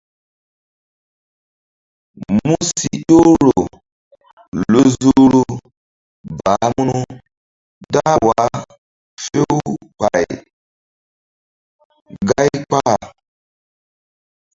Mu si ƴohro lu zuhru baah munu dah wah few pay gáy kpah.